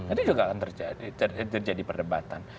itu juga akan terjadi perdebatan